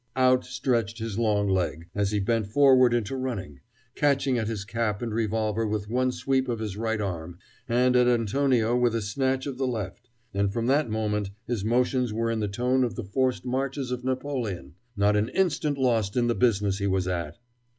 Out stretched his long leg, as he bent forward into running, catching at his cap and revolver with one sweep of his right arm, and at Antonio with a snatch of the left; and from that moment his motions were in the tone of the forced marches of Napoleon not an instant lost in the business he was at.